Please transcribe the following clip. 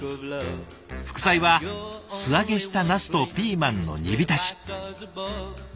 副菜は素揚げしたナスとピーマンの煮浸し。